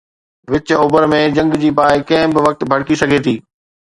وچ اوڀر ۾ جنگ جي باهه ڪنهن به وقت ڀڙڪي سگهي ٿي.